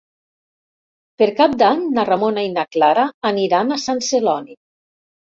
Per Cap d'Any na Ramona i na Clara aniran a Sant Celoni.